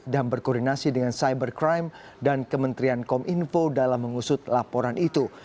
dan berkoordinasi dengan cybercrime dan kementrian kominfo dalam mengusut laporan itu